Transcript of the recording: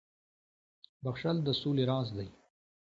• بخښل د سولي راز دی.